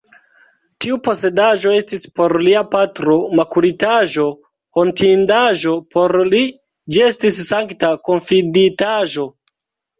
Tiu posedaĵo estis por lia patro makulitaĵo, hontindaĵo; por li ĝi estis sankta konfiditaĵo.